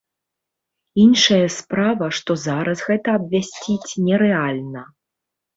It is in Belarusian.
Іншая справа, што зараз гэта абвясціць нерэальна.